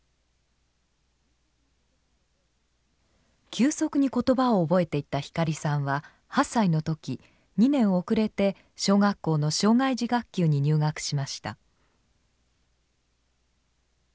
急速に言葉を覚えていった光さんは８歳の時２年遅れて小学校の障害児学級に入学しました。